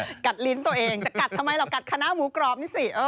กัดลิ้นตัวเองจะกัดทำไมเรากัดคณะหมูกรอบนี่สิ